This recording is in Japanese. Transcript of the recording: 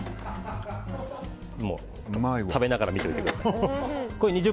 食べながら見ておいてください。